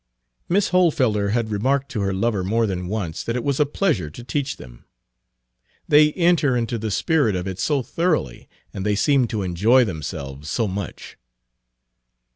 Miss Hohlfelder had remarked to her lover more than once that it was a pleasure to teach them. "They enter into the spirit of it so thoroughly, and they seem to enjoy themselves so much."